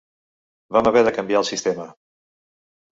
Vam haver de canviar el sistema.